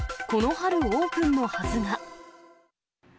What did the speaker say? この春オープンのはずが。